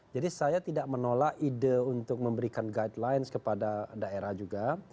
jadi saya tidak menolak ide untuk memberikan guidelines kepada daerah juga